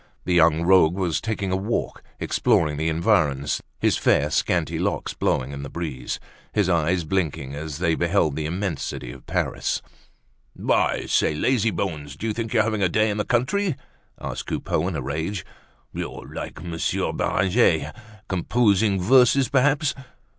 The young rogue was taking a walk, exploring the environs, his fair scanty locks blowing in the breeze, his eyes blinking as they beheld the immensity of Paris. "I say, lazy bones! Do you think you're having a day in the country?" asked Coupeau, in a rage. "You're like Monsieur Beranger, composing verses, perhaps!